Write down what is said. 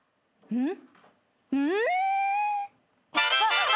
うん！？